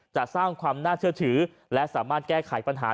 จะสร้างความน่าเชื่อถือและสามารถแก้ไขปัญหา